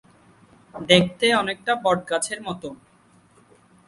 দেখতে অনেকটা বট গাছের মতো।